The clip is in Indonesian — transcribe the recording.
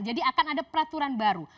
jadi akan ada peraturan baru